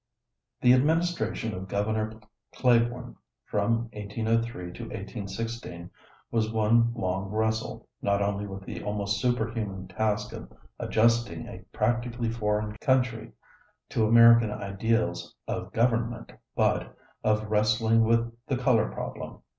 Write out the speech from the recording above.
The administration of Governor Claiborne from 1803 to 1816 was one long wrestle, not only with the almost superhuman task of adjusting a practically foreign country to American ideals of government but of wrestling with the color problem.